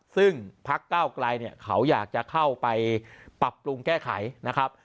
ซึ่งพักเก้าไกลเนี่ยเขาอยากจะเข้าไปปรับปรุงแก้ไขนะครับ